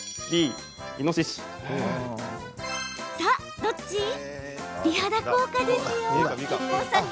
さあ、どっち？